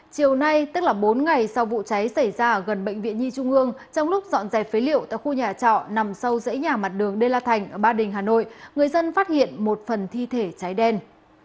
chiều nay tức là bốn ngày sau vụ cháy xảy ra ở gần bệnh viện nhi trung ương trong lúc dọn dẹp phế liệu tại khu nhà trọ nằm sâu dãy nhà mặt đường đê la thành ở ba đình hà nội người dân phát hiện một phần thi thể cháy đen